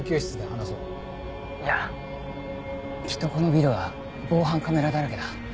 いやきっとこのビルは防犯カメラだらけだ。